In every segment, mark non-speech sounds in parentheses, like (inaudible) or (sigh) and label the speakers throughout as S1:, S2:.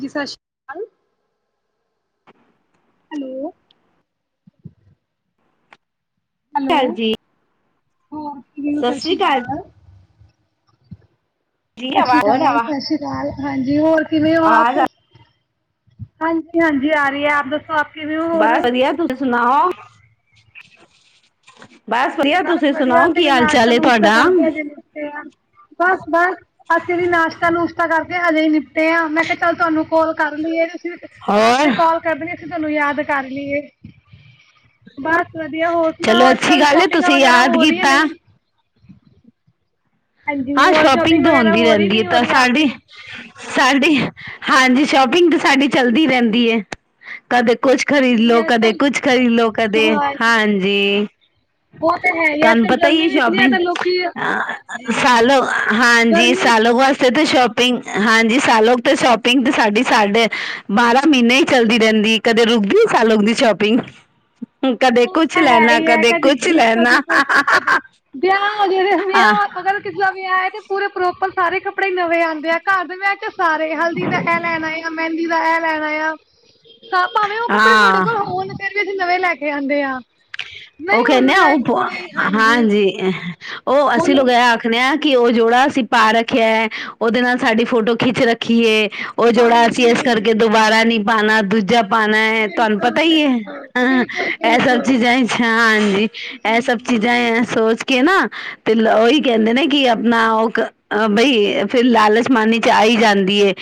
S1: ਜੀ ਸਤਿ ਸ਼੍ਰੀ ਅਕਾਲ।
S2: ਹ
S1: ਹੈਲੋ।
S2: ਸਤਿ ਸ਼੍ਰੀ ਅਕਾਲ
S1: ਹੈਲੋ
S2: ਜੀ ਸਤਿ
S1: ਕਸ਼।
S2: ਸ੍ਰੀ ਅਕਾਲ ਜੀ
S1: ਸਤਿ
S2: ਆਵਾ
S1: ਸ਼੍ਰੀ
S2: ਹੋਰ
S1: ਅਕਾਲ ਜੀ
S2: ਆਵਾ
S1: ਸਤਿ ਸ਼੍ਰੀ ਅਕਾਲ। ਹਾਂਜੀ ਹੋਰ ਕਿਵੇਂ ਹੋਣ ਆਪ
S2: ਆਵਾਜ਼
S1: ਹਾਂਜੀ ਹਾਂਜੀ ਆ ਰਹੀ ਹੈ ਆਪ ਦੱਸੋ ਕਿਵੇਂ ਹੋ ਹੋਰ?
S2: ਬਸ ਵਧੀਆ ਤੁਸੀਂ ਸੁਣਾਓ।
S1: ਜੀ
S2: ਵਧੀਆ
S1: ਬਸ
S2: ਤੁਸੀਂ
S1: ਵਧੀਆ
S2: ਸੁਣਾਓ
S1: ਉਥੇ
S2: ਕੀ
S1: ਵੀ
S2: ਹਾਲ
S1: ਨਾਸ਼ਤਾ
S2: ਚਾਲ ਹੈ
S1: ਨੂਸ਼ਤਾ
S2: ਤੁਹਾਡਾ
S1: ਕਰਕੇ ਜੇ ਨ ਬਸ ਬਸ ਅਸੀਂ ਵੀ ਨਾਸ਼ਤਾ ਨੁਸ਼ਤਾ ਕਰਕੇ ਅਜੇ ਹੀ ਨਿਪਤੇ ਆ ਮੈਂ ਕਿਹਾ ਚੱਲ ਤੁਹਾਨੂੰ ਕਾਲ ਕਰਨ ਦੀ ਹੈ ਤੁਸੀਂ ਤੇ
S2: ਹੋਰ
S1: ਕਾਲ ਕਰਦੇ ਅਸੀਂ ਤੁਹਾਨੂੰ ਯਾਦ ਕਰ ਲਈਏ ਬਸ ਵਧੀਆ ਹੋਰ ਸੁਣਾਓ
S2: ਚਲੋ
S1: ਅੱਜ
S2: ਅੱਛੀ
S1: ਕੱਲ
S2: ਗੱਲ ਹੈ
S1: ਸ਼ੋਪਿੰਗਾਂ
S2: ਤੁਸੀਂ
S1: ਵਗੈਰਾ
S2: ਯਾਦ
S1: ਹੋ ਰਹੀ ਹੈ
S2: ਕੀਤਾ
S1: ਨਹੀਂ। ਹਾਂਜੀ
S2: ਹਾਂ
S1: ਹੋਰ
S2: ਸ਼ੋਪਿੰਗ ਤਾਂ
S1: ਵਗੈਰਾ
S2: ਹੁੰਦੀ
S1: ਹੋ ਰਹੀ
S2: ਰਹਿੰਦੀ ਹੈ
S1: ਨਹੀਂ ਹੋ
S2: ਤਾਂ
S1: ਰਹੀ
S2: ਸਾਡੀ।
S1: ਆਪਦੀ?
S2: ਸਾਡੀੇ ਹਾਂਜੀ ਸ਼ੋਪਿੰਗ ਤਾਂ ਸਾਡੀ ਚੱਲਦੀ ਰਹਿੰਦੀ ਹੈ ਕਦੇ ਕੁਛ ਖ਼ਰੀਦਲੋ
S1: ਜੀ ਅੱਜ
S2: ਕਦੇ
S1: ਕੱਲ
S2: ਕੁਛ ਖ਼ਰੀਦ ਲੋ ਕਦੇ ਹਾਂਜੀ।
S1: ਉਹ ਤਾਂ ਹੈਗਾ
S2: ਤੁਹਾਨੂੰ
S1: ਅੱਜ-ਕਲ
S2: ਪਤਾ ਹੀ
S1: ਗਰਮੀ
S2: ਹੈ
S1: ਈਤਨੀ ਐ
S2: ਸ਼ੋਪਿੰਗ
S1: ਤਾਂ ਲੋਕੀ
S2: ਸਾਲੋ ਹਾਂਜੀ
S1: ਗਰਮੀ
S2: ਸਾਲੋ ਬਸ ਉਥੇ ਸ਼ੋਪਿੰਗ ਹਾਂਜੀ ਸਾਲੋ ਤੇ ਸ਼ੋਪਿੰਗ ਤੇ ਸਾਡੀ ਸਾਡੇ ਬਾਰਾਂ ਮਹੀਨੇ ਹੀ ਚੱਲਦੀ ਰਹਿੰਦੀ। ਕਦੇ ਰੁਕਦੀ ਸਾਲ ਰੁਕਦੀ ਸ਼ੋਪਿੰਗ ਕਦੇ
S1: ਉਹ
S2: ਕੁਛ
S1: ਤਾਂ ਹੈ
S2: ਲੈਣਾ
S1: ਹੀ ਐ
S2: ਕਦੇ ਕੁਛ
S1: ਕਦੀ ਕਦੇ
S2: ਲੈਣਾ
S1: ਕੁਛ ਕਦੇ ਵਿਆਹ ਹੋਜੇ
S2: ਹਾਂ
S1: ਵਿਆਹ ਅਗਰ (unintelligible) ਤੇ ਪੂਰੇ ਪ੍ਰੋਪਰ ਸਾਰੇ ਕੱਪੜੇ ਨਵੇਂ ਆਦੇ ਆ ਘਰ ਦੇ ਵਿਆਹ ਚ ਸਾਰੇ ਹਲਦੀ ਦਾ ਇਹ ਲੈਣਾ ਐ। ਮਹਿੰਦੀ ਦਾ ਇਹ ਲੈਣਾ ਆ ਹਾਂ ਭਾਵੇਂ ਉਹ ਕੱਪੜੇ ਤੁਹਾਡੇ ਕੋਲ
S2: ਹਾਂ
S1: ਹੋਣ ਫੇਰ ਵੀ ਅਸੀਂ ਨਵੇਂ ਲੈ ਕੇ ਆਦੇ ਆ,
S2: ਉਹ ਕਹਿੰਦੇ ਆ
S1: ਮੈਂ
S2: ਉਹ
S1: ਥੋੜੀ
S2: ਹਾਂਜੀ ਉਹ ਅਸੀਂ
S1: ਹੁਣ
S2: ਲੋਗ ਐ ਣੇ ਆ ਕਿ ਉਹ ਜੋੜਾ ਅਸੀਂ ਪਾ ਰੱਖਿਆ ਐ ਉਹਦੇ ਨਾਲ ਸਾਡੀ ਫੋਟੋ ਖਿੱਚ ਰੱਖੀ ਏ। ਉਹ ਜੋੜਾ ਅਸੀਂ ਇਸ
S1: ਹਾਂਜੀ
S2: ਕਰਕੇ ਦੁਬਾਰਾ ਨਹੀਂ ਪਾਣਾ ਦੂਜਾ ਪਾਣਾ ਐ ਤੁਹਾਨੂੰ
S1: ਬਿਲਕੁਲ
S2: ਪਤਾ ਹੀ ਐ
S1: ਬਿਲਕੁਲ
S2: ਹਾ
S1: ਬਿਲਕੁਲ
S2: ਇਹ ਸਭ
S1: ਬਿਲਕੁਲ
S2: ਚੀਜ਼ਾਂ ਅੱਛਾ ਹਾਂਜੀ ਇਹ ਸਭ ਚੀਜ਼ਾਂ ਜਾਂ ਸੋਚ ਕੇ ਨਾ ਤੇ ਉਹੀ ਕਹਿੰਦੇ ਨੇ ਕਿ ਆਪਣਾ ਉਹ ਬਈ ਫੇਰ ਲਾਲਚ ਮਨ ਚ ਆਈ ਜਾਂਦੀ ਏ,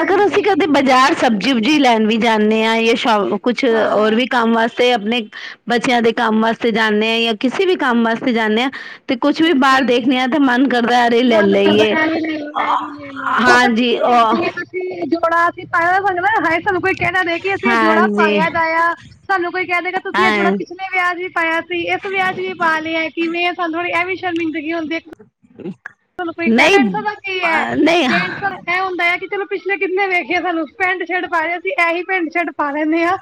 S2: ਅਗਰ ਅਸੀਂ ਕਦੇ ਬਾਜ਼ਾਰ ਸਬਜ਼ੀ ਸੁਬਜੀ ਲੈਣ ਵੀ ਜਾਂਨੇ ਆ ਜਾਂ ਸ਼ਾ ਕੁਛ ਹੋਰ ਵੀ ਕੰਮ ਵਾਸਤੇ ਆਪਣੇ ਬੱਚਿਆਂ ਦੇ ਕੰਮ ਵਾਸਤੇ ਜਾਨੇ ਆ ਜਾਂ ਕਿਸੇ ਵੀ ਕੰਮ ਵਾਸਤੇ ਜਾਨੇ ਆ। ਤੇ ਕੁਛ ਵੀ ਬਾਹਰ ਦੇਖਣੇ ਆ ਤੇ ਮਨ ਕਰਦਾ ਅਰੇ ਲੈ ਲਈਏ।
S1: ਪਤਾ
S2: ਹਾਂਜੀ
S1: ਕੀ ਹੈ
S2: ਉਹ
S1: ਜਿਵੇਂ ਜੋੜਾ ਅਸੀਂ ਪਾਇਆ (unintelligible) ਸਾਨੂੰ ਕੋਈ ਕਹਿਣਾ ਨਹੀਂ ਕਿ ਅਸੀਂ ਇਹ ਜੋੜਾ
S2: ਹਾਂਜੀ
S1: ਪਾਇਆ ਦਾ ਆਇਆ। ਸਾਨੂੰ ਕੋਈ ਕਹਿਦੇ ਗਾ ਤੁਸੀਂ ਇਹ ਜਿਹੜਾ
S2: ਹਾਂ
S1: ਪਿਛਲੇ ਵਿਆਹ ਵੀ ਪਾਇਆ ਸੀ ਇਸ ਵਿਆਹ ਵੀ ਪਾ ਲਿਆ। ਕਿਵੇਂ ਸਾਨੂੰ ਇਹ ਵੀ ਸ਼ਰਮਿੰਦਗੀ ਹੁੰਦੀ ਐ। ਤੁਹਾਨੂੰ ਕੋਈ (unintelligible) ਇਹ
S2: ਨਹੀਂ ਅ ਨਹੀਂ
S1: ਹੁੰਦਾ ਆ ਕਿ ਚਲੋ ਪਿਛਲੇ ਕਿੰਨੇ ਵੇਖੇ ਏ ਸਾਨੂੰ ਪੈਂਟ ਸ਼ਰਟ ਪਾ ਰਹੇ ਅਸੀਂ ਇਹੀ ਪੈਂਟ ਸ਼ਰਟ ਪਾ ਲੈਂਨੇ ਆ।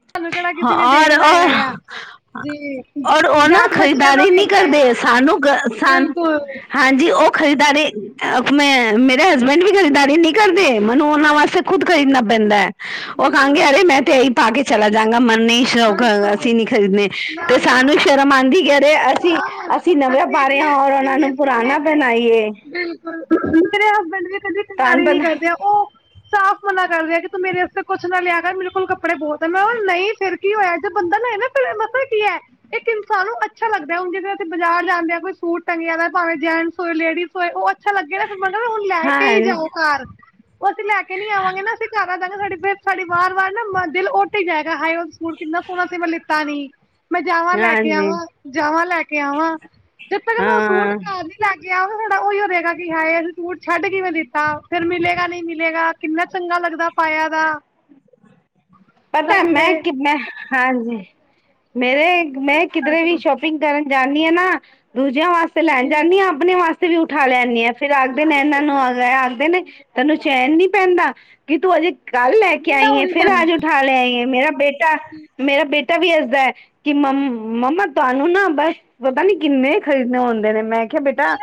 S1: ਸਾਨੂੰ ਕਿਹੜਾ
S2: ਹ
S1: ਕਿਸੇ ਨੇ ਦੇਖਣਾ ਹੈਗਾ ਆ
S2: ਔਰ-ਔਰ-ਔਰ ਉਹ ਨਾ
S1: ਜਾਤ ਬੱਚਿਆਂ ਦਾ
S2: ਖ਼ਰੀਦਾਰੀ
S1: ਵੀ
S2: ਨਹੀਂ
S1: ਹੁੰਦਾ
S2: ਕਰਦੇ।
S1: ਆ
S2: ਸਾਨੂੰ ਸਾ
S1: ਬਿਲਕੁਲ
S2: ਹਾਂਜੀ ਉਹ ਖਰੀਦਦਾਰੀ ਮੈਂ ਮੇਰੇ ਹਸਬੈਂਡ ਵੀ ਖਰੀਦਦਾਰੀ ਨਹੀਂ ਕਰਦੇ ਮੈਨੂੰ ਉਹਨਾਂ ਵਾਸਤੇ ਖੁਦ ਖਰੀਦਣਾ ਪੈਂਦਾ ਐ ਉਹ ਕਹਾਂਗੇ ਅਰੇ ਮੈਂ ਤੇ ਇਹੀ ਪਾ ਕੇ ਚਲਾ ਜਾਗਾ ਮ ਸ਼ੌਕ ਅਸੀਂ ਨੀ ਖਰੀਦਣੇ ਤੇ ਸਾਨੂੰ ਸ਼ਰਮ ਆਦੀ ਜਿਹੜੇ ਅਸੀਂ-ਅਸੀਂ ਨਵੇਂ ਪਾ ਰਹੇ ਆ ਔਰ ਉਹਨਾਂ ਨੂੰ ਪੁਰਾਣਾ ਪਹਿਨਾਈਏ।
S1: ਮੇਰੇ ਹਸਬੈਂਡ ਵੀ ਕਦੀ
S2: ਤੁਹਾਨੂੰ
S1: ਕੰਦਾਰੀ ਨੀ
S2: ਪਤਾ
S1: ਕਰਦੇ ਆ ਉਹ ਸਾਫ਼ ਮਨਾ ਕਰ ਰਿਆ ਕਿ ਤੂੰ ਮੇਰੇ ਵਸਤੇ ਕੁੱਛ ਨਾ ਲਿਆ ਕਰ ਮੇਰੇ ਕੋਲ ਕੱਪੜੇ ਬਹੁਤ ਐ ਮੈਂ ਨਹੀਂ ਫਿਰ ਕੀ ਹੋਇਆ ਜੇ ਬੰਦਾ ਨਾ ਮਤਾ ਕੀ ਐ ਇੱਕ ਇਨਸਾਨ ਨੂੰ ਅੱਛਾ ਲੱਗਦਾ ਹੁਣ ਜਿਵੇਂ ਅਸੀਂ ਬਾਜ਼ਾਰ ਜਾਂਦੇ ਆ ਕੋਈ ਸੂਟ ਟੰਗਿਆ ਦੇ ਭਾਵੇ ਜੈਂਟਸ ਹੋਏ ਲੇਡੀਜ਼ ਹੋਏ। ਅੱਛਾ ਲੱਗੇ ਨਾ ਫੇਰ ਮੰਲ ਹੁਣ ਲੈ ਕੇ ਹੀ
S2: ਹਾਂ
S1: ਜਾਓ ਘਰ ਉਹ ਅਸੀਂ ਲੈ ਕੇ ਨੀ ਆਵਾਂਗੇ ਨਾ ਅਸੀਂ ਘਰ ਆ ਜਾਂਗੇ ਸਾਡੀ ਸਾਡੀ ਵਾਰ-ਵਾਰ ਨਾ ਦਿਲ ਜਾਏਗਾ ਹਾ ਉਹ ਸੂਟ ਕਿੰਨਾ ਸੋਹਣਾ ਸੀ ਮੈਂ ਲਿੱਤਾ ਨੀ ਮੈਂ ਜਾਵਾਂ ਲੈ ਕੇ
S2: ਹਾਂਜੀ
S1: ਆਵਾਂ, ਨਵਾ ਲੈ ਕੇ ਆਵਾਂ, ਜਦੋ ਤੱਕ ਉਹ ਮੈ ਸੂਟ
S2: ਹਾਂ
S1: ਨੀ ਲੱਗ ਗਿਆ ਸਾਡਾ ਉਹੀ ਓ ਹੋਹੇਗਾ ਕਿ ਹਾਏ ਅਸੀਂ ਸੂਟ ਛੱਡ ਕਿਵੇਂ ਦਿੱਤਾ ਫਿਰ ਮਿਲੇਗਾ ਨਹੀਂ ਮਿਲੇਗਾ। ਕਿੰਨਾ ਚੰਗਾ ਲੱਗਦਾ ਪਾਇਆ ਦਾ,
S2: ਪਤੈ
S1: ਕਹਿੰਦੇ
S2: ਮੈਂ ਕਿੰਨਾ ਹਾਂਜੀ ਮੇਰੇ ਮੈਂ ਕਿਧਰੇ ਵੀ ਸ਼ੋਪ ਕਰਨ ਜਾਨੀ ਆ ਨਾ ਦੂਜਿਆਂ ਵਾਸਤੇ ਲੈਣ ਜਾਨੀ ਆ ਆਪਣੇ ਵਾਸਤੇ ਵੀ ਉਠਾ ਲੈਨੀ ਆਂ। ਫੇਰ ਆਖਦੇ ਨੇ ਇਹਨਾਂ ਨੂੰ ਆ ਆਖਦੇ ਨੇ ਤੈਨੂੰ ਚੈਨ ਨੀ ਪੈਂਦਾ। ਕਿ ਤੂੰ ਅਜੇ-ਕੱਲ ਲੈ ਕੇ ਆਈ ਏ ਫਿਰ ਅੱਜ ਉਠਾ ਲਿਆਈ ਏ ਮੇਰਾ ਬੇਟਾ ਮੇਰਾ ਬੇਟਾ ਵੀ ਐਦਾਂ ਕਿ ਮੰਮ ਮੰਮਾ ਤੁਆਨੂੰ ਨਾ ਬਸ ਪਤਾ ਨੀ ਕਿੰਨੇ ਈ ਖਰੀਦਣੇ ਹੁੰਦੇ ਨੇ ਮੈਂ ਖਿਆ ਬੇਟਾ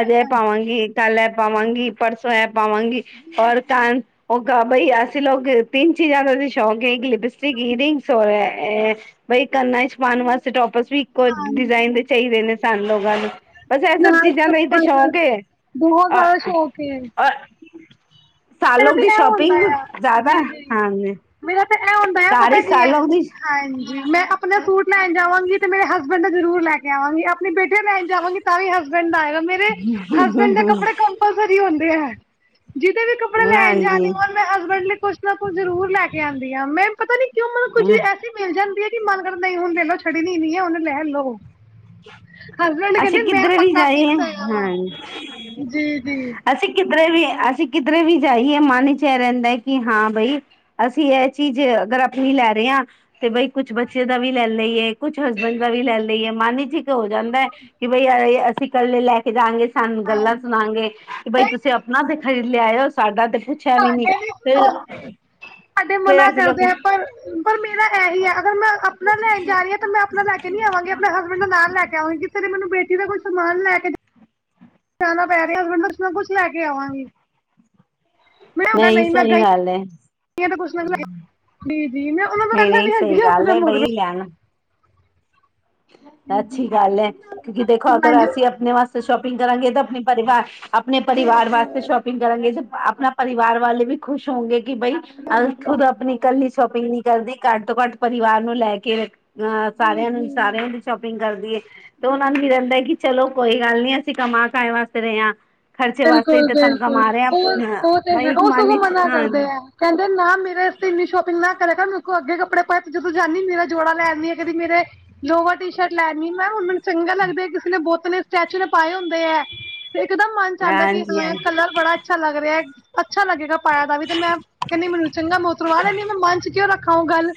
S2: ਅਜ ਐ ਪਾਵਾਂਗੀ ਕੱਲ ਐ ਪਾਵਾਂਗੀ। ਪਰਸੋਂ ਐ ਪਾਵਾਂਗੀ ਔਰ ਕਨ ਓ ਬਈ ਅਸੀਂ ਲੋਕ ਤਿੰਨ ਚੀਜ਼ਾਂ ਦਾ ਸ਼ੌਕ ਇੱਕ ਲਿਪਸਟਿਕ, ਈਅਰਿੰਗਸ ਔਰ ਐ ਬਈ ਕੰਨਾ ਇਚ ਪਾਣ ਵਾਸਤੇ ਟੋਪਸ ਵੀ ਇੱਕੋ ਡਿਜ਼ਾਇਨ ਦੇ ਚਾਈਦੇ ਨੇ ਸਾਨੂੰ ਲੋਗਾਂ ਨੂੰ। ਬਸ ਐ ਸਭ ਚੀਜ਼ਾਂ ਦਾ ਈ ਤੇ ਸ਼ੋਂਕ ਏ।
S1: ਬਹੁਤ ਜ਼ਿਆਦਾ ਸ਼ੋਂਕ ਏ।
S2: ਸਾਲ
S1: ਐ
S2: ਲੋਕ
S1: ਤੇ
S2: ਦੀ
S1: ਐ ਹੁੰਦਾ
S2: ਸ਼ੋਪਿੰਗ
S1: ਆ
S2: ਜ਼ਿਆਦਾ
S1: ਜੀ, ਜੀ।
S2: ਹਾਂਜੀ
S1: ਮੇਰਾ ਤੇ ਐ ਹੁੰਦਾ ਆ
S2: ਘਰ
S1: ਪਤਾ
S2: ਹੀ
S1: ਕੀ
S2: ਸਾਲ
S1: ਐ
S2: ਲੋਕ ਦੀ
S1: ਹਾਂਜੀ ਮੈਂ ਅਪ ਅਪਨਾ ਸੂਟ ਲੈਣ ਜਾਵਾਂਗੀ ਤੇ ਮੇਰੇ ਹਸਬੈਂਡ ਦਾ ਜ਼ਰੂਰ ਲੈ ਕੇ ਆਵਾਂਗੀ ਅਪ ਆਪਣੇ ਬੇਟੇ ਦਾ ਲੈਣ ਜਾਵਾਂਗੀ ਤਾਂ ਵੀ ਹਸਬੈਂਡ ਦਾ ਆਏਗਾ ਮੇਰੇ ਹਸਬੈਂਡ ਦੇ ਕੱਪੜੇ ਕ ਪਲਸਰੀ ਹੁੰਦੇ ਹੈ ਜਿਹਦੇ ਵੀ ਕੱਪ
S2: ਨਾਂਜੀ (unintelligible)
S1: ਮੈਂ ਹਸਬੈਂਡ ਲਈ ਕੁਛ ਨਾ ਕੁਛ ਜ਼ਰੂਰ ਲੈ ਕੇ ਆਂਦੀ ਆਂ ਮੈ ਪਤਾ ਨੀ ਕਿਉਂ ਮੈਨੂੰ ਕੁੱਛ ਵੀ ਮਿਲ ਜਾਂਦੀ ਐ ਕਿ ਮਨ ਕਰਦੈ ਕਿ ਹੁਣ ਤੇ ਨਾਂ ਛੱਡਣੀ ਨੀ ਐ ਹੁਣ ਲੈ ਲਓ। ਹਸਬੈਂਡ ਕੈਂਦੇ
S2: ਅਸੀਂ
S1: ਮੈਂ
S2: ਕਿੱਧਰੇ ਵੀ
S1: ਪੱਕਾ
S2: ਜਾਈਏ
S1: ਫਿਕਸ ਹੋਇਆ ਵਾ ਜੀ, ਜੀ।
S2: ਅਸੀ ਕਿਧਰੇ ਵੀ ਅਸੀ ਕਿੱਧਰੇ ਵੀ ਜਾਈਏ ਮਨ ਚ ਐ ਰੈਂਦਾ ਕਿ ਹਾਂ ਬਈ ਅਸੀਂ ਐ ਚੀਜ਼ ਅਗਰ ਆਪਣੀ ਲੈ ਰੇ ਆਂ ਤੇ ਬਈ ਕੁਛ ਬੱਚੇ ਦਾ ਵੀ ਲੈ ਲਈਏ ਕੁਛ ਹਸਬੈਂਡ ਦਾ ਵੀ ਲੈ ਲਈਏ ਮਨ ਠੀਕ ਹੋ ਜਾਂਦੈ ਕਿ ਬਈ ਅਸੀਂ ਕੱਲੇ ਲੈ ਕੇ ਜਾਣਗੇ ਸਾਨੂੰ ਗੱਲਾਂ ਸੁਣਾਨਗੇ। ਬਈ ਤੁਸੀ ਆਪਣਾ ਤੇ ਖ਼ਰੀਦ ਲਿਆਏ ਓ ਸਾਡਾ ਤੇ ਪੁੱਛਿਆ ਵੀ ਨੀ
S1: ਸਾਡੇ ਨਹੀਂ
S2: ਤੇ
S1: ਸੁਣਾਉਂਦੇ ਸਾਡੇ ਮਨਾ ਕਰਦੇ ਆ ਪਰ ਪਰ ਮੇਰਾ ਇਹੀ ਹੈ ਅਗਰ ਮੈਂ ਆਪਣਾ ਲੈਣ ਜਾ ਰੀ ਆ ਤਾਂ ਮੈਂ ਆਪਣਾ ਲੈ ਨੀ ਆਵਾਂਗੇ ਆਪਣੇ ਹਸਬੈਂਡ ਦਾ ਨਾਲ ਲੈ ਕੇ ਆਵਾਂਗੀ ਕਿਤੇ ਨੇ ਮੈਨੂੰ ਬੇਟੀ ਦਾ ਕੋਈ ਸਮਾਨ ਲੈ ਕੇ ਜਾਣਾ ਪੈ ਰੇਆ (unintelligible) ਕੁਛ ਨਾ ਕੁਛ ਲੈ ਕੇ ਆਵਾਂਗੀ। ਮਲਾਉਂਦਾ ਨਹੀਂ ਮੈਂ
S2: ਸਹੀ ਗੱਲ ਹੈ
S1: ਗਈ ਕੁਛ (unintelligible) ਜੀ ਜੀ ਮੈਂ ਓਨਾ ਦਾ
S2: ਨਹੀਂ
S1: ਪੈਲਾ
S2: ਨਹੀਂ
S1: ਲਿਆਂਦੀ
S2: ਸਹੀ
S1: ਆ
S2: ਗੱਲ
S1: ਆਪਣਾ
S2: ਹੈ ਬਈ
S1: ਮਗਰੋਂ
S2: ਲੈਣਾ ਅੱਛੀ ਗੱਲ ਐ ਕਿਉਂਕਿ ਦੇਖੋ ਅਗਰ ਅਸੀਂ
S1: ਹਾਂਜੀ
S2: ਆਪਣੇ ਵਾਸਤੇ ਸ਼ੋਪਿੰਗ ਕਰਾਂਗੇ ਤਾਂ ਆਪਣੇ ਪਰਿਵਾਰ ਆਪਣੇ ਪਰਿਵਾਰ ਵਾਸਤੇ ਸ਼ੋਪਿੰਗ ਕਰਾਂਗੇ ਤੇ ਆਪਣਾ ਪਰਿਵਾਰ ਵਾਲੇ ਵੀ ਖੁਸ਼ ਹੋੋਂਗੇ ਕਿ ਬਈ ਅਲ ਖੁਦ ਆਪਣੀ ਕੱਲੀ ਸ਼ੋਪਿੰਗ ਨੀ ਕਰਦੀ ਘੱਟ ਤੋਂ ਘੱਟ ਪਰਿਵਾਰ ਨੂੰ ਲੈ ਕੇ ਹਾ ਸਾਰਿਆਂ ਨੂੰ ਸਾਰਿਆਂ ਦੀ ਸ਼ੋਪਿੰਗ ਕਰਦੀ ਐ ਤੇ ਓਨਾ ਨੂੰ ਵੀ ਰੈਂਦਾ ਐ ਕਿ ਚਲੋ ਕੋਈ ਗੱਲ ਨੀ ਅਸੀਂ ਕਮਾ ਕਾਏ ਵਾਸਤੇ ਰਏ ਆਂ।
S1: ਬਿਲਕੁਲ, ਬਿਲਕੁਲ ਓ, ਓ ਤੇ
S2: ਬਾਈ ਇੱਕ
S1: ਓ ਸਗੋਂ
S2: ਮਨ ਚ
S1: ਮਨਾ
S2: ਹਾਂ
S1: ਕਰਦੇ ਐ। ਕੈਂਦੇ ਨਾ ਮੇਰੇ ਅਸਤੇ ਇੰਨੀ ਸ਼ੋਪਿੰਗ ਨਾ ਕਰੇ ਕਰ ਅੱਗੇ ਕੱਪੜੇ ਪਾਏ ਤੇ ਜਦੋਂ ਜਾਨੀ ਮੇਰਾ ਜੋੜਾ ਲੈ ਆਨੀ ਏ ਕਦੀ ਮੇਰੇ ਲੋਵਰ ਟੀ ਸ਼ਰਟ ਲੈਨੀ ਮੈਂ ਹੁਣ ਚੰਗਾ ਲੱਗਦੈ ਕਿਸੇ ਨੇ ਬੌਤ ਨੇ ਸਟੇਚੂ ਨੇ ਪਾਏ ਹੁੰਦੇ ਐ ਤੇ ਇੱਕਦਮ ਚਾਂਦਾ ਕਿ
S2: ਹਾਂਜੀ
S1: ਬਲੈਕ
S2: ਹਾਂਜੀ
S1: ਕਲਰ ਬੜਾ ਅੱਛਾ ਲੱਗ ਰੇਆ ਅੱਛਾ ਲੱਗੇਗਾ ਪਾਇਆ ਦਾ ਵੀ ਤੇ ਮੈਂ ਕਹਿੰਦੀ ਮੈਨੂੰ ਚੰਗਾ ਸਵਾ ਲੈਂਨੀ ਮੈਂ ਮਨ ਚ ਕਿਉਂ ਰੱਖਾ ਓ ਗੱਲ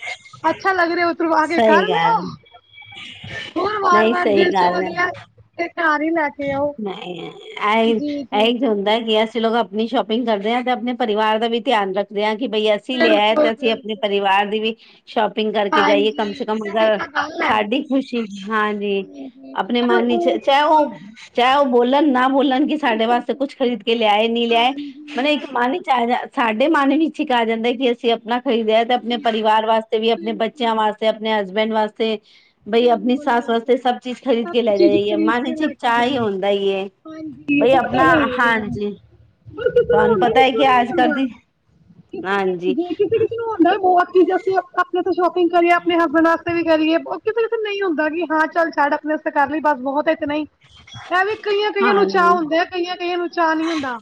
S1: ਅੱਛਾ ਲੱਗ ਰੇ ਕਰਵਾ ਕੇ
S2: ਸਹੀ
S1: ਕਰ ਲਿਓ
S2: ਗੱਲ
S1: ਹੋਰ ਵਾਰ
S2: ਨਹੀਂ
S1: ਵਾਰ ਦਿਲ ਚ ਵਧੀਆ ਏ ਤੇ ਘਰ ਈ ਲੈ ਕੇ ਆਓ
S2: ਨਈ ਨਈ ਐ ਈ ਐ ਈ ਤੇ ਹੁੰਦੈ ਕਿ ਅਸੀਂ ਲੋਕ ਆਪਣੀ ਸ਼ੋਪਿੰਗ ਕਰਦੇ ਆਂ ਤੇ ਆਪਣੇ ਪਰਿਵਾਰ ਦਾ ਵੀ ਧਿਆਨ ਰੱਖਦੇ ਆਂ ਕਿ ਬਈ ਅਸੀਂ ਲੇਆ ਐ ਤੇ ਅਸੀਂ ਆਪਣੇ ਪਰਿਵਾਰ ਦੀ ਵੀ ਸ਼ੋਪਿੰਗ ਕਰਕੇ ਜਾਈਏ ਕਮ ਸੇ ਕਮ ਅਗਰ ਸਾਡੀ ਖ਼ੁਸ਼ੀ ਹਾਂਜੀ ਅਪਨੇ ਮਨ ਇਚ ਚਾਏ ਹੋ ਚਾਹੇ ਉਹ ਬੋਲਣ ਨਾ ਬੋਲਣ ਕਿ ਸਾਡੇ ਵਾਸਤੇ ਕੁਛ ਖਰੀਦ ਕੇ ਲਿਆਏ ਨੀ ਲਿਆਏ ਮਤਲਬ ਇੱਕ ਮਨ- ਵਿਚ ਆ ਜਾਂ ਸਾਡੇ ਮਨ ਵਿੱਚ ਇੱਕ ਆ ਜਾਂਦਾ ਕਿ ਅਸੀਂ ਆਪਣਾ ਖਰੀਦਿਆ ਤੇ ਆਪਣੇ ਪਰਿਵਾਰ ਵਾਸਤੇ- ਵੀ ਆਪਣੇ ਬੱਚਿਆਂ ਵਾਸਤੇ ਆਪਣੇ ਹਸਬੈਂਡ ਵਾਸਤੇ- ਬਈ ਆਪਣੀ ਸਸ ਵਾਸਤੇ ਸਭ ਚੀਜ਼ ਖਰੀਦ ਕੇ ਲੈ ਜਾ ਜਾਈਏ ਮਨ ਵਿੱਚ- ਚਾਅ ਹੀ ਹੁੰਦਾ ਏ ਬਈ ਆਪਣਾ ਹਾਂਜੀ।
S1: ਪਰ ਕਿਸੇ ਨੂੰ
S2: ਤੁਹਾਨੂੰ
S1: ਹੁੰਦਾ
S2: ਪਤਾ ਹੈ
S1: ਕਿਸੇ ਨੂੰ
S2: ਕਿ
S1: ਨਹੀਂ
S2: ਆਜ ਕਲ
S1: ਹੁੰਦਾ
S2: ਦੀ ਹਾਂਜੀ।
S1: ਵੀ ਉਹ ਹੁੰਦਾ ਵੀ ਬਹੁਤ ਚੀਜ਼ ਅਸੀਂ ਆਪਣੇ ਤੋਂ ਸ਼ੋਪਿੰਗ ਕਰੀਏ ਆਪਣੇ ਹਸਬੈਂਡ ਵਸਤੇ ਵੀ ਕਰੀਏ ਬਹੁ- ਕਿਤੇ ਕਿਤੇ ਨਹੀਂ ਹੁੰਦਾ ਕਿ ਹਾਂ ਚੱਲ ਛੱਡ ਆਪਣੇ ਵਾਸਤੇ ਕਰ ਲਈ ਬਸ ਬਹੁਤ ਇਤਨਾ ਹੀਂ। ਐ ਵੀ ਕਈਆਂ ਕਈਆਂ ਨੂੰ
S2: ਹਾਂਜੀ
S1: ਚਾਅ ਹੁੰਦੇ ਆ ਕਈਆਂ ਕਈਆਂ ਨੂੰ ਚਾਅ ਨੀ ਹੁੰਦਾ।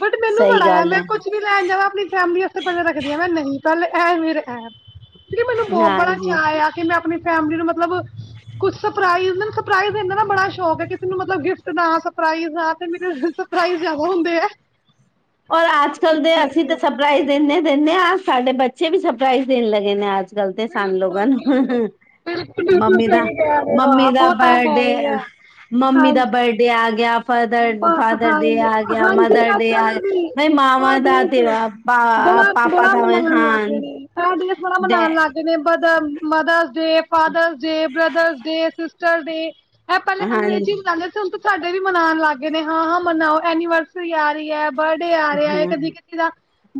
S1: ਬਟ ਮੈਨੂੰ
S2: ਸਹੀ
S1: ਬੜਾ ਆ
S2: ਗੱਲ
S1: ਮੈਂ
S2: ਹੈ
S1: ਕੁਛ- ਵੀ ਲੈਣ ਜਾਵਾਂ ਆਪਣੀ ਫੈਮਿਲੀ ਵਾਸਤੇ ਰੱਖਦੀਆਂ ਮੈਂ ਨਹੀਂ ਪਹਿਲਾ ਐਂ ਮੇਰੇ ਐ- ਮੈਨੂੰ ਬਹੁਤ ਬੜਾ
S2: ਹਾਂਜੀ
S1: ਚਾਅ ਆਇ ਕਿ ਮੈਂ ਆਪਣੀ ਫੈਮਿਲੀ ਨੂੰ ਮਤਲਬ ਕੁਛ ਸਰਪਰਾਈਜ- ਸਰਪ੍ਰਾਈਜ਼ ਦੇਣ ਦਾ ਨਾ ਬੜਾ ਸ਼ੌਕ ਹੈ ਕਿਸੇ ਨੂੰ ਮਤਲਬ ਗਿਫਟ ਦਾ ਸਰਪਰਾਈਜ ਦਾ ਤੇ ਮੇਨੂੰ ਸਰਪ੍ਰਾਈਜ਼ ਜਿਆਦਾ- ਉਹ ਹੁੰਦੇ ਐ।
S2: ਔਰ ਅੱਜ ਕੱਲ੍ਹ ਦੇ ਅਸੀਂ ਤਾਂ ਸਰਪ੍ਰਾਈਜ਼ ਦਿੰਨੇ ਦਿੰਨੇ ਆ ਆ ਸਾਡੇ ਬੱਚ- ਬੱਚੇ ਵੀ ਸਰਪ੍ਰਾਈਜ਼ ਦੇਣ ਲੱਗੇ ਨੇ ਆਜ ਕਲ ਤੇ ਸਾਨੂੰ ਲੋਕਾਂ ਨੂੰ। ਮੰਮੀ ਦਾ ਮੰਮੀ ਦਾ ਬਰਡੇ ਮੰਮੀ ਦਾ ਬਰਡੇ ਆ ਗਿਆ- ਫਦਰ ਫਾਦਰ ਡੇ ਆ ਗਿਆ ਮਦਰ ਡੇ ਆ- ਬਈ ਮਾਵਾਂ ਦਾ ਤੇ ਪਾਪਾ ਪਾਪਾ ਦਾ ਇਹਸਾਨ ਡੈ-
S1: ਜਿਵੇਂ ਬ mothers day fathers day brothers day sisters day. ਇਹ ਪਹਿਲੇ
S2: ਹਾਂ
S1: ਅੰਗਰੇਜ਼ੀ ਮਨਾਦੇ ਸੀ ਹੁਣ ਤੇ ਤੁਹਾਡੇ ਵੀ ਮਨਾਨ- ਲੱਗ ਗਏ ਨੇ ਹਾਂ ਹਾਂ ਮਨਾਓ ਐਨੀਵਰਸਰੀ ਆ ਰਹੀ ਐ ਬਰਡੇ ਆ ਰਿਹਾ ਐ
S2: ਹਾਂ
S1: ਕਦੀ ਕਿਤੀ- ਕਿਸੇ ਦਾ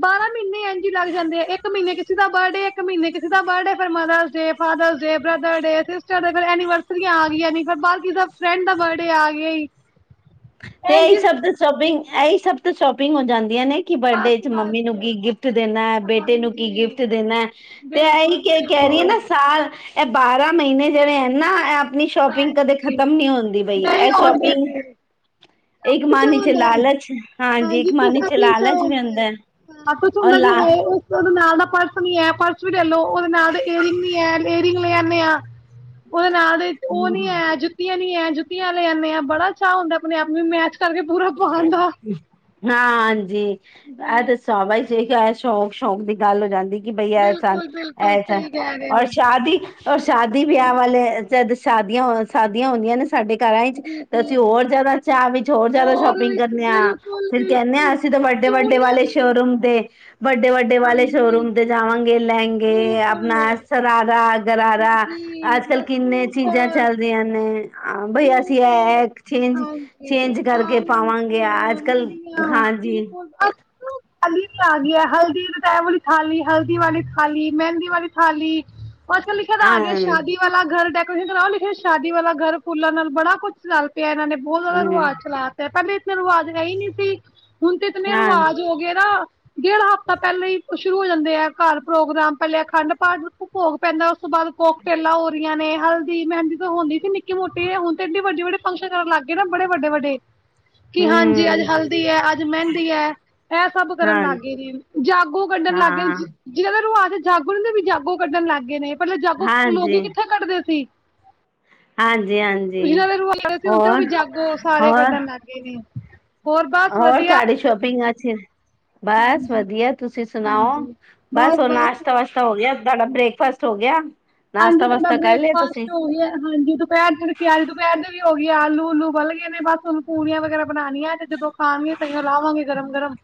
S1: ਬਾਰਾਂ ਮਹੀਨੇ ਐ ਜੀ ਲੱਗ ਜਾਂਦੇ ਆ ਇੱਕ ਮਹੀਨੇ ਚ- ਕਿਸੇ ਦਾ ਬਰਡੇ ਇੱਕ ਮਹੀਨੇ ਕਿਸੇ ਦਾ ਬਰਡੇ ਫਿਰ mothers day fathers day brother day sister day ਫਿਰ ਐਨੀਵਨ- ਆਂ ਗਈਆਂ ਨੀ ਫਿਰ ਬਾਹਰ ਕਿਸੇ ਦਾ ਫਰੈਂਡ ਦਾ ਬਰਡੇ ਆ ਗਿਆ ਈ-
S2: ਤੇ ਇਹੀ ਸਭ ਸ਼ੋਪਿੰਗ ਇਹੀ ਸਭ ਤੇ ਸ਼ੋਪਿੰਗ ਹੋ ਜਾਂਦੀਆਂ ਨੇ। ਕੀ ਬਰਡੇ ਚ ਮੰਮੀ ਨੂੰ ਕੀ ਗਿਫਟ ਦੇਣਾ ਐ? ਬੇਟੇ ਨੂੰ ਕੀ
S1: ਹਾਂਜੀ
S2: ਗਿਫਟ ਦੇਣਾ ਐ? ਤੇ ਇਹੀ ਕਹਿ ਰਹੀਏ ਨਾ ਸਾਲ ਇਹ ਬਾਰਾਂ ਮਹੀਨੇ ਜਿਹੜੇ ਹੈ ਨਾ ਐ- ਆਪਣੀ ਸ਼ੋਪਿੰਗ ਕਦੇ ਖਤਮ ਨੀ ਹੁੰਦੀ ਬਈ
S1: ਨਹੀਂ
S2: ਇਹ
S1: ਹੋਣ
S2: ਸ਼ੋਪਿੰਗ-
S1: ਦਿੰਦੇ
S2: ਇੱਕ ਮਨ ਚ ਲਾਲਚ ਹਾਂਜੀ ਇੱਕ
S1: ਕੁਛ
S2: ਮਾਨੀ ਚ
S1: ਆਪਣੀ ਇੱਛਾ
S2: ਲਾਲਚ ਵੀ
S1: ਹੁੰਦੀ
S2: ਰਹਿੰਦਾ।
S1: (unintelligible) ਹੁੰਦਾ ਕਿ ਹੈ ਉਹਦੇ ਨਾਲ ਦਾ ਪਰਸ ਨੀ ਐ ਪਰਸ ਵੀ ਲੈ ਲਓ ਉਹਦੇ ਨਾਲ ਏਅਰਿੰਗ ਐ- ਈਅਰਿੰਗ ਲੇ ਆਨੇ ਆ ਉਹਦੇ ਨਾਲ ਤੇ ਉਹ ਨੀ ਆਇਆ ਜ- ਜੁੱਤੀਆਂ ਵੀ ਐ ਜੁੱਤੀਆਂ ਲਿਆਉਣੇ ਆ ਬੜਾ ਚਾਅ ਹੁੰਦਾ ਆਪ ਮੈ ਜੁੱਤੀ- ਤਵੇ ਪੂਰਾ- ਪਾਉਣ ਦਾ
S2: ਹਾਂ ਹਾਂਜੀ ਆਹ ਦੱਸ- ਤੌਬਾ ਹੀ ਜੇ ਸ਼ੌਕ ਸ਼ੌਂਕ ਦੀ ਗੱਲ ਹੋ ਜਾਂਦੀ। ਕਿ ਬਈ ਐ ਸਾਨੂ ਐਸਾ ਔਰ ਸ਼ਾਦੀ- ਔਰ ਸ਼ਾਦੀ ਵਿਆਹ ਵਾਲੇ ਜਦ ਸ਼ਾਦੀਆਂ ਸ਼ਾਦੀਆਂ ਹੁੰਦੀਆਂ ਨੇ- ਸਾਡੇ ਘਰਾਂ ਚ ਤੇ ਅਸੀਂ ਹੋਰ ਜ਼ਿਆਦਾ ਚਾਅ ਵਿੱਚ ਹੋਰ ਜ਼ਿਆਦਾ- ਸ਼ੋਪਿੰਗ ਕਰਨੇ ਆ ਫਿਰ ਕਹਿੰਨੇ ਹਾਂ ਅਸੀਂ ਤਾਂ ਵੱਡੇ ਵੱਡੇ ਵਾਲੇ ਸ਼ੋਰੂਮ ਤੇ- ਵੱਡੇ ਵੱਡੇ ਵਾਲੇ ਸ਼ੋਰੂਮ ਤੇ ਜਾਵਾਂਗੇ ਲਹਿੰਗੇ ਆਪਣਾ ਸਰਾਰਾ- ਗਰਾਰਾ ਅੱਜ ਕੱਲ ਕਿੰਨੇ ਚੀਜ਼ਾਂ ਚੱਲਦੀਆਂ ਨੇ- ਹਾਂ ਬਈ ਅਸੀਂ ਐ ਚੇਂਜ ਚੇਂਜ ਕਰਕੇ- ਪਾਵਾਂਗੇ ਅੱਜ ਕੱਲ ਹਾਂਜੀ।
S1: ਹ। ਥਾਲੀ ਵੀ ਆ ਗਈ ਐ ਹਲਦੀ ਤੇ ਐ ਵਾਲੀ ਥਾਲੀ, ਹਲਦੀ ਵਾਲੀ ਥਾਲੀ, ਮੈਂਦੀ ਵਾਲੀ ਥਾਲੀ ਓ ਅੱਜ-ਕੱਲ ਲਿਖੇ ਦਾ
S2: ਹਾਂ
S1: ਆ ਗਿਆ ਸ਼ਾਦੀ ਵਾਲਾ ਗਰ ਡੈਕੋਰੇੇਸ਼ਨ ਕਰਾਓ ਲਿਖੇ ਸ਼ਾਦੀ ਵਾਲਾ ਗਰ ਫੁੱਲਾਂ ਨਾਲ ਬੜਾ ਕੁੱਛ ਚੱਲ ਪਿਆ ਏਨਾਂ ਨੇ ਬਹੁ ਜ਼ਾਦਾ
S2: ਹਮ
S1: ਰਵਾਜ਼ ਚਲਾਤੇ ਪੈਲੇ ਇਤਨੇ ਰਵਾਜ਼ ਹੈਈ ਨੀ ਸੀ। ਹੁਨ ਤੇ ਇਤਨੇ
S2: ਹਾਂ
S1: ਰਵਾਜ਼ ਹੋ ਗਏ ਨਾ ਡੇਢ ਹਫ਼ਤਾ ਪੈਲਾਂ ਈ ਸ਼ੁਰੂ ਹੋ ਜਾਂਦੇ ਆ ਘਰ ਪ੍ਰੋਗਰਾਮ ਪੈਲੇ ਅਖੰਡ ਪਾਠ ਭੋਗ ਪੈਂਦਾ ਉਸ ਤੋਂ ਬਾਦ ਘੋ ਟੇਲਾਂ ਹੋ ਰੀਆਂ ਨੇ ਹਲਦੀ ਮਹਿੰਦੀ ਤਾਂ ਹੁੰਦੀ ਸੀ ਨਿੱ ਨਿੱਕੀ ਮੋਟੀ ਹੁਨ ਤੇ ਏਡੇ ਵੱਡੇ-ਵੱਡੇ ਫੰਕਸ਼ਨ ਕਰਨ ਲਾਗੇ ਨਾ ਬੜੇ ਵੱਡੇ-ਵੱਡੇ ਕੀ ਹਾਂਜੀ
S2: ਹਮ
S1: ਅੱਜ ਹਲਦੀ ਐ ਅੱਜ ਮੈਂਦੀ ਐ। ਐ ਸਭ ਕਰਨ
S2: ਹਾਂ
S1: ਲਾਗੇ ਜੀ, ਜਾਗੋ ਕੱਢਣ ਲਾਗੇ
S2: ਹਾਂ
S1: ਜੀ। ਜਿਦੇ ਨੂੰ ਆਖਦੇ ਜਾਗੋ ਨੀ ਵੀ ਜਾਗੋ ਕੱਢਣ ਲਾਗੇ ਨੇ ਪੈਲਾਂ ਜਾਗੋ
S2: ਹਾਂਜੀ
S1: ਲੋਕੀ ਕਿੱਥੇ ਕੱਢਦੇ ਸੀ।
S2: ਹਾਂਜੀ-ਹਾਂਜੀ।
S1: ਜਿਨਾਂ ਦੇ ਰਵਾਜ਼ ਨੀ ਸੀ ਹੁਨ ਤੇ ਓ ਵੀ ਜਾਗੋ ਸਾਰੇ
S2: ਹੋਰ
S1: ਕੱਢਣ ਲਾਗੇ ਨੇ। ਹੋਰ ਬਸ
S2: ਹੋਰ
S1: ਵਧੀਆ
S2: ਤੁਆਡੀ ਸ਼ੋਪਿੰਗ ਅੱਛੀ ਬਸ ਵਦੀਆ ਤੁਸੀਂ ਸੁਨਾਓ, ਬਸ ਓ ਨਾਸ਼ਤਾ ਬਾਸ਼ ਤਾ ਹੋ ਗਿਆ ਤਾਡਾ ਬ੍ਰੇਕਫਾਸਟ ਹੋ ਗਿਆ।
S1: ਹਾਂਜੀ
S2: ਨਾਸ਼ਤਾ
S1: ਸਾਡਾ
S2: ਵਾਸ਼ਤਾ ਕਰ ਲਿਆ ਤੁਸੀਂ
S1: ਬ੍ਰੇਕਫਾਸਟ ਹੋ ਗਿਆ ਹਾਂਜੀ ਤ ਦੁਪੈਰ ਦੇ ਕੇ ਆਲੂ ਦੁਪੈਰ ਦੇ ਵੀ ਹੋ ਗਏ ਨੇ ਆਲੂ ਉਲੂ ਉਬਲ ਗਏ ਨੇ ਬਸ ਹੁਨ ਪੂਰੀਆਂ ਵਗੈਰਾ ਬਨਾਨੀਆਂ ਤੇ ਜਦੋਂ ਖਾਨਗੇ ਤਾਂਂਈਓ ਲਾਵਾਂਗੀ ਗਰਮ-ਗਰਮ।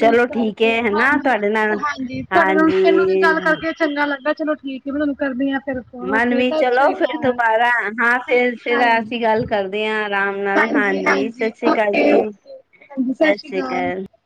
S1: ਇਸ
S2: ਠੀਕ
S1: ਕਰਕੇ
S2: ਹੈ ਹਨਾ ਤੁਹਾਡੇ ਨਾਲ
S1: ਹਾਂਜੀ-ਹਾਂਜੀ ਤੁਆਡੇ ਨਾਲ ਮੈਨੂੰ ਵੀ ਗੱਲ
S2: ਹਾਂਜੀ
S1: ਕਰਕੇ ਚੰਗਾ ਲੱਗਾ ਚਲੋ ਠੀਕ ਐ ਮੈਂ ਤਾਨੂੰ ਕਰਦੀ ਆਂ।
S2: ਮਨ ਵੀ ਚਲੋ ਫਿਰ ਦੁਬਾਰਾ ਹਾਂ ਫੇਰ-ਫੇਰ ਅਸੀਂ ਗੱਲ ਕਰਦੇ ਕਰਦੇ ਆਂ ਅਰਾਮ ਨਾਲ ਹਾਂਜੀ ਸਸ ਰੀ ਕਾਲ ਜੀ, ਸਸ ਰੀ ਕਾਲ।